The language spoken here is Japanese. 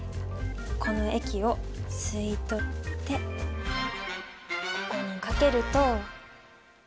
この液を吸い取ってここにかけると。